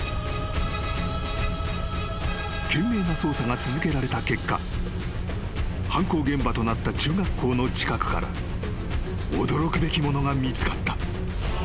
［懸命な捜査が続けられた結果犯行現場となった中学校の近くから驚くべきものが見つかった］